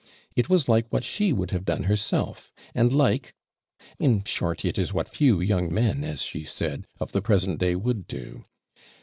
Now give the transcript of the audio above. It was like what she would have done herself, and like in short, it is what few young men, as she said, of the present day would do.